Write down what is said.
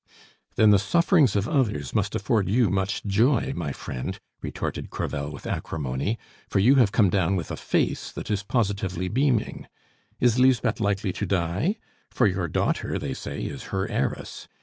"Then the sufferings of others must afford you much joy, my friend," retorted Crevel with acrimony, "for you have come down with a face that is positively beaming. Is Lisbeth likely to die? For your daughter, they say, is her heiress.